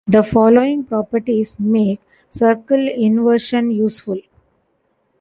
The following properties make circle inversion useful.